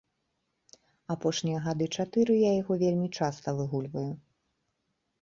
Апошнія гады чатыры я яго вельмі часта выгульваю.